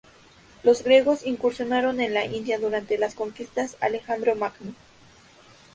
Los griegos incursionaron en la India durante las conquistas Alejandro Magno.